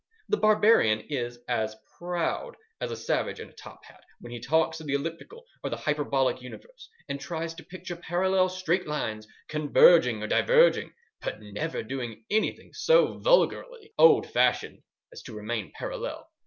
The Barbarian is as proud as a savage in a top hat when he talks of the elliptical or the hyperbolic universe, and tries to picture parallel straight lines converging or diverging—but never doing anything so vulgarly old fashioned as to remain parallel.